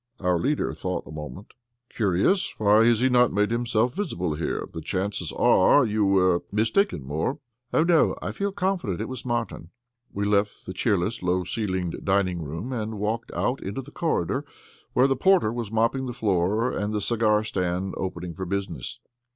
Our leader thought a moment. "Curious! Why has he not made himself visible here? The chances are you were mistaken, Moore." "Oh, no. I feel confident it was Martin." We left the cheerless, low ceiled dining room and walked out into the corridor, where the porter was mopping the floor, and the cigar stand opening for business.